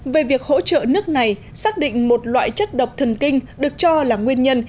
về việc hỗ trợ nước này xác định một loại chất độc thần kinh được cho là nguyên nhân